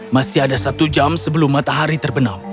masih ada satu jam sebelum matahari terbenam